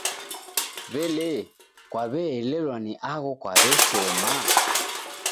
W'elee, kwaw'eelelwa ni agho kwaw'eshoma?